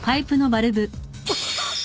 あっ！